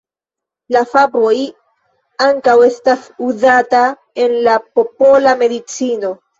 La faboj ankaŭ estas uzata en la popola medicino.